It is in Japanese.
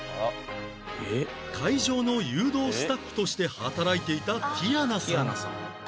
会場の誘導スタッフとして働いていたティヤナさん